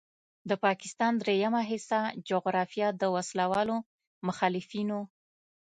د پاکستان دریمه حصه جغرافیه د وسلوالو مخالفینو